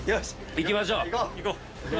行きましょう！